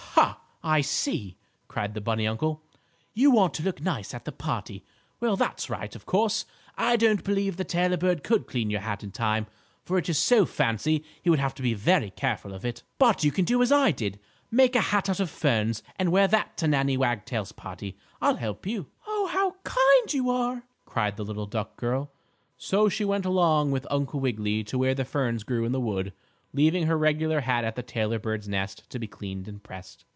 "Ha! I see!" cried the bunny uncle. "You want to look nice at the party. Well, that's right, of course. And I don't believe the tailor bird could clean your hat in time, for it is so fancy he would have to be very careful of it. "But you can do as I did, make a hat out of ferns, and wear that to Nannie Wagtail's party. I'll help you." "Oh, how kind you are!" cried the little duck girl. So she went along with Uncle Wiggily to where the ferns grew in the wood, leaving her regular hat at the tailor bird's nest to be cleaned and pressed.